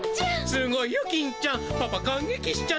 すごいよ金ちゃん。パパ感げきしちゃったよ。